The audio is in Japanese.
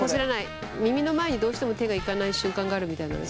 耳の前にどうしても手がいかない習慣があるみたいなので。